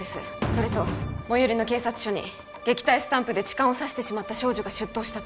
それと最寄りの警察署に撃退スタンプで痴漢を刺してしまった少女が出頭したと